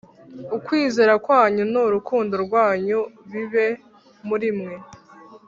ukwizera kwanyu n urukundo rwanyu bibe murimwe